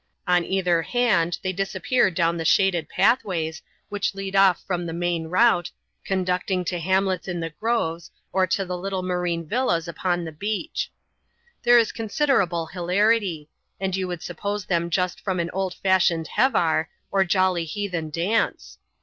On either hand, they disappear down the shaded pathways, which lead off from the main route, conducting to hamlets in the groves, or to the little marine villas upon the beach. Inhere is considerable hilarity ; and you would suppose them just from an old fashioned "hevar," or jolly heathen dance.